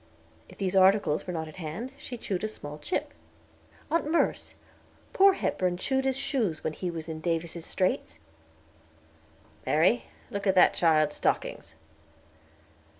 If these articles were not at hand, she chewed a small chip. "Aunt Merce, poor Hepburn chewed his shoes, when he was in Davis's Straits." "Mary, look at that child's stockings."